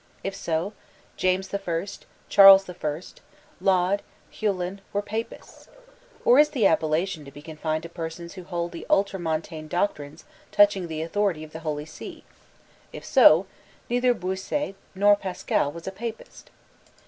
If so, James the First, Charles the First, Laud, Heylyn, were Papists, Or is the appellation to be confined to persons who hold the ultramontane doctrines touching the authority of the Holy See? If so, neither Bossuet nor Pascal was a Papist.